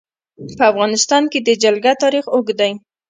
په افغانستان کې د جلګه تاریخ اوږد دی.